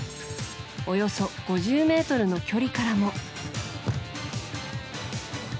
およそ５０ｍの距離からも。